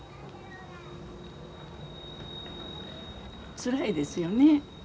つらいですよね